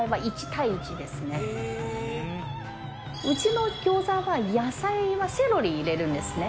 うちの餃子は野菜はセロリ入れるんですね。